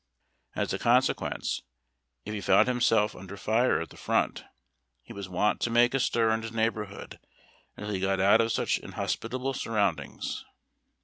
As a consequence, if he found himself under fire at the front, he was wont to make a stir in his neighborhood until he got out of such inhospi table surroundings.